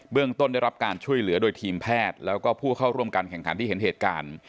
เรื่องต้นได้รับการช่วยเหลือโดยทีมแพทย์แล้วก็ผู้เข้าร่วมการแข่งขันที่เห็นเหตุการณ์